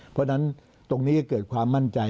เพราะฉะนั้นตรงนี้ก็เกิดความมั่นใจ